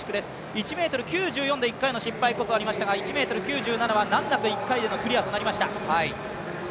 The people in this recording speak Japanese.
１ｍ９４で１回目の失敗こそありましたが１ｍ９７は難なく１回でのクリアとなりました。